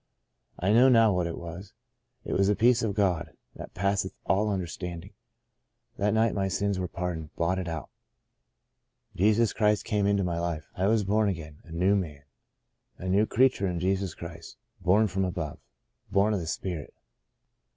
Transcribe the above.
I know now what it was. It was the peace of God, that passeth all understanding. That night my sins were pardoned — blotted out. Jesus Christ came into my life. I was born again — a new man — a new creature in Christ Jesus — born from above — born of the Spirit.